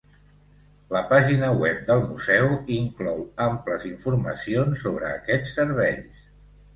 La pàgina web del Museu inclou amples informacions sobre aquests serveis.